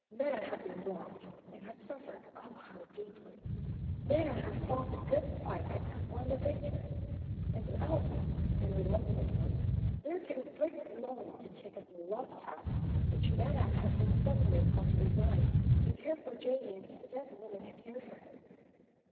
Meta had been wronged, and had suffered, oh, how deeply! Meta had fought the good fight and had won the victory. And to Elsie, in her loneliness, there came a great longing to take up the love task which Meta had been suddenly called to resign, and care for Jamie as the dead woman had cared for him.